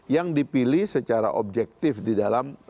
yang dipilih secara objektif di dalam